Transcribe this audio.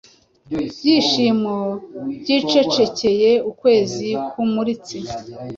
Byishimo byicecekeye ukwezi kumuritse